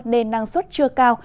nên năng suất chưa cao